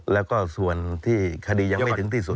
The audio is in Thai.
แล้วก็ส่วนที่คดียังไม่ถึงที่สุด